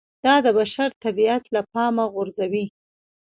دا د بشر طبیعت له پامه غورځوي